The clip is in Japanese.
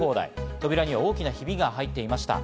扉には大きなヒビが入っていました。